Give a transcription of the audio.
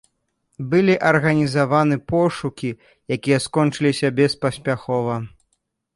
Былі арганізаваны пошукі, якія скончыліся беспаспяхова.